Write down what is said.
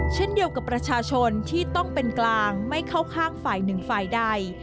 เช่นเดียวกับประชาชนที่ต้องเป็นกลางไม่เข้าข้างฝ่ายหนึ่งฝ่ายใด